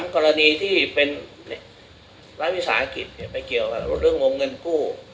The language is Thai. กรณีที่เป็นรัฐวิสาหกิจไปเกี่ยวกับเรื่องวงเงินกู้